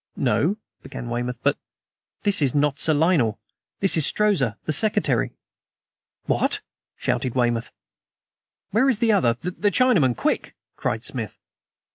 "No," began Weymouth, "but " "This is not Sir Lionel. This is Strozza, the secretary." "What!" shouted Weymouth. "Where is the other the Chinaman quick!" cried Smith.